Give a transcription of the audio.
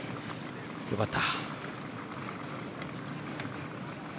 良かった。